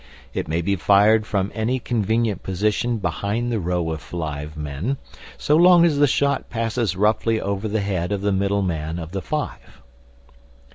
It may be fired from any convenient position behind the row of five men, so long as the shot passes roughly over the head of the middle man of the five.